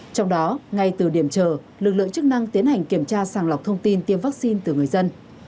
trong đó ngay từ điểm chờ lực lượng chức năng tiến hành kiểm tra sàng lọc thông tin tiêm vaccine từ người dân